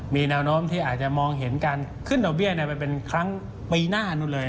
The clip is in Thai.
มีแนวโน้มที่อาจจะมองเห็นการขึ้นดอกเบี้ยไปเป็นครั้งปีหน้านู้นเลย